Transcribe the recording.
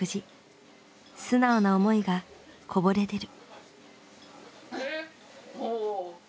素直な思いがこぼれ出る。